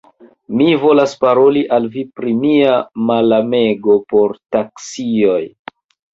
Mi volas paroli al vi pri mia malamego por taksioj.